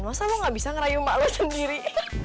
masa lo gak bisa ngerayu emak lo sendiri